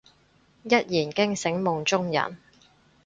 一言驚醒夢中人